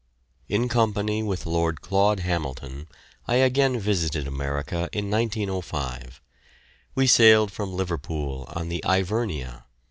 In company with Lord Claud Hamilton I again visited America in 1905. We sailed from Liverpool in the "Ivernia."